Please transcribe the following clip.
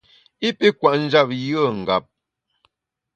I pi kwet njap yùe ngap.